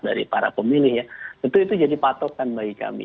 dari para pemilih ya tentu itu jadi patokan bagi kami